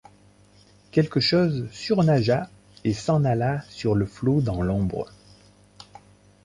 Quelque chose surnagea, et s’en alla sur le flot dans l’ombre.